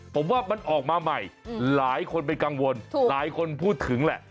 ผมว่ามันออกมาใหม่หลายคนเป็นกังวลหลายคนพูดถึงแหละ